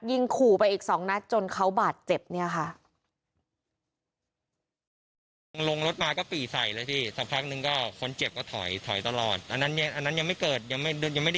ยิงขู่ไปอีก๒นัดจนเขาบาดเจ็บเนี่ยค่ะ